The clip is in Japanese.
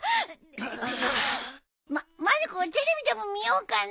ままる子テレビでも見ようかな。